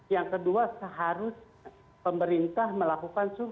yang kedua seharusnya kita harus mencari kondisi covid sembilan belas